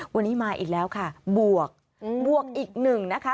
วันนี้มาอีกแล้วค่ะบวกบวกอีกหนึ่งนะคะ